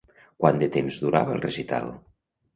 Quant de temps durava el recital?